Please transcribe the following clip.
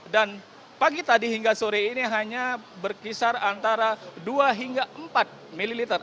dan pagi tadi hingga sore ini hanya berkisar antara dua hingga empat mililiter